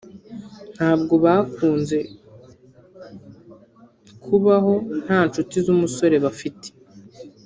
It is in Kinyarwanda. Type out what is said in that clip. ntabwo bakunze kubaho nta ncuti z’umusore bafite